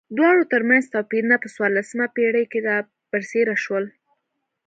دواړو ترمنځ توپیرونه په څوارلسمه پېړۍ کې را برسېره شول.